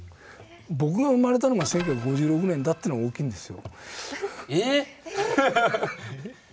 僕が生まれたのが１９５６年だというのが大きいんですよ。